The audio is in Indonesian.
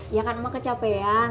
ya kan emang kecapean